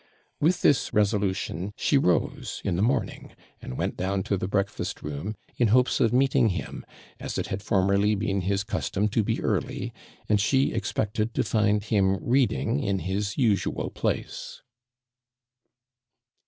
With this resolution, she rose in the morning, and went down to the breakfast room, in hopes of meeting him, as it had formerly been his custom to be early; and she expected to find him reading in his usual place.